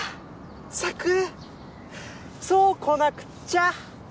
サクそうこなくっちゃ！